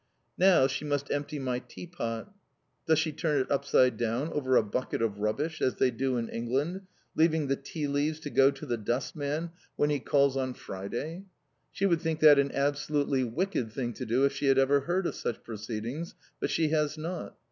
Now she must empty my tea pot. Does she turn it upside down over a bucket of rubbish as they do in England, leaving the tea leaves to go to the dustman when he calls on Friday? She would think that an absolutely wicked thing to do if she had ever heard of such proceedings, but she has not.